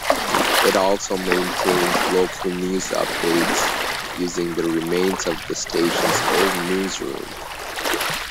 It also maintained local news updates, using the remains of the station's old newsroom.